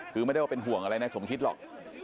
คือไม่ได้ว่าเป็นห่วงอะไรนายสมคิดหรอก